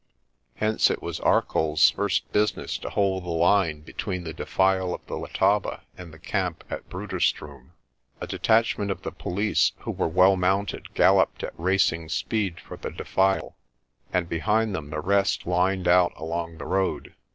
Hence it was Arcoll's first business to hold the line between the defile of the Letaba and the camp at Bruderstroom. A detachment of the police who were well mounted galloped at racing speed for the defile, and behind them the rest lined out along the road.